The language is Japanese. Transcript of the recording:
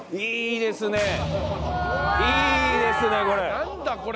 いいですね。